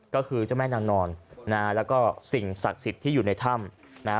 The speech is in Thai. ก็คือเจ้าแม่นางนอนนะฮะแล้วก็สิ่งศักดิ์สิทธิ์ที่อยู่ในถ้ำนะฮะ